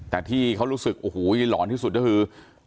แต่ที่เขารู้สึกโอ้โหหลอนที่สุดก็คือ